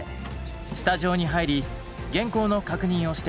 スタジオに入り原稿の確認をしていよいよ本番です。